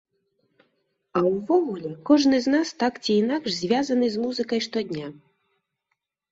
А ўвогуле, кожны з нас так ці інакш звязаны з музыкай штодня.